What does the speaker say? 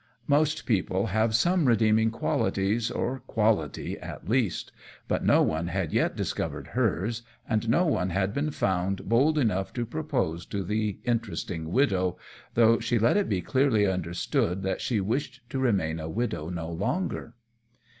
Most people have some redeeming qualities, or quality at least, but no one had yet discovered hers, and no one had been found bold enough to propose to the interesting widow, though she let it be clearly understood that she wished to remain a widow no longer.